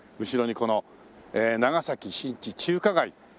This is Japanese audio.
後ろにこの長崎新地中華街。